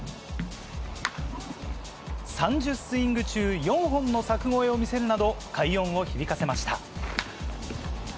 ３０スイング中４本の柵越えを見せるなど快音を響かせました。